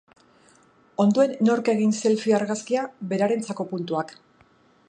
Ondoen nork egin selfie argazkia, berarentzako puntuak.